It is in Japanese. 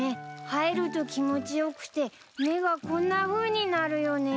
入ると気持ち良くて目がこんなふうになるよね。